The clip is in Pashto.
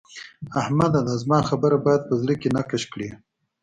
احمده! دا زما خبره بايد په زړه کې نقش کړې.